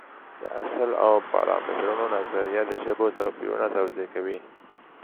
د اصل او پارامترونو نظریه د ژبو توپیرونه توضیح کوي.